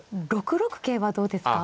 ６六桂はどうですか。